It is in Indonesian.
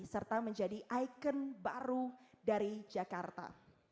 serta menjadi ikon baru dari jakarta